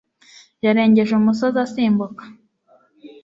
yarengeje umusozi asimbuka